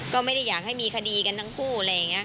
ก็ไม่ได้อยากให้มีคดีกันทั้งคู่อะไรอย่างนี้